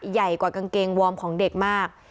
ใหญ่กว่ากางเกงวอร์มของเด็กมาก